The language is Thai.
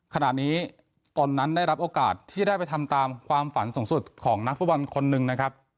ขณะนี้ตนนั้นได้รับโอกาสที่ได้ไปทำตามความฝันสูงสุดของนักฟุตบอลคนหนึ่งนะครับ